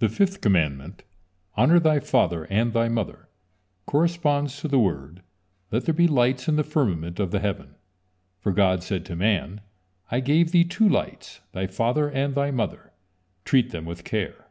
The fifth commandment: "Honor thy father and thy mother," corresponds to the word: "Let there be lights in the firmament of the heaven," for God said to man: "I gave thee two lights, thy father and thy mother, treat them with care."